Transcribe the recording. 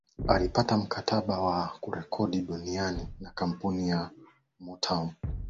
Alipata mkataba wa kurekodi duniani na kampuni ya Motown